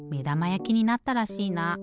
やきになったらしいな。